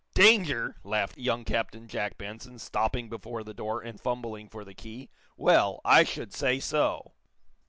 "Danger?" laughed young Captain Jack Benson, stopping before the door and fumbling for the key. "Well, I should say so!"